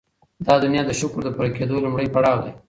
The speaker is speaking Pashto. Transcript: دا دنیا د شکر د پوره کېدو لومړی پړاو دی.